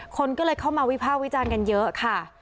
คนก็เลยเข้ามาวิภาควิจารณ์กันเยอะค่ะ